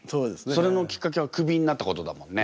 それのきっかけはクビになったことだもんね。